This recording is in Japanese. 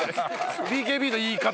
ＢＫＢの言い方